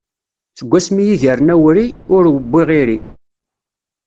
Seg wass mi i yi-gren awri, ur wwiɣ iri.